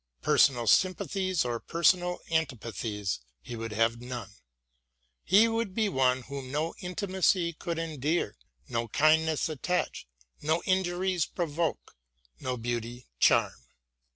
Personal sympathies or personal anti pathies he would have none. He would be one whom no intimacy could endear, no kindness attach, no injuries provoke, no beauty charm.